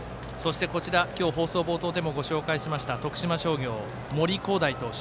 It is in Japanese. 放送冒頭でもご紹介しました徳島商業、森煌誠投手。